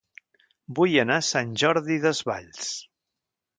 Vull anar a Sant Jordi Desvalls